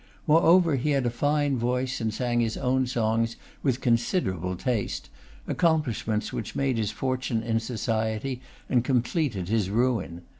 Moreover he had a fine voice, and sang his own songs with considerable taste; accomplishments which made his fortune in society and completed his ruin.